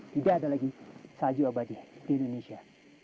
tidak ada lagi salju abadi di indonesia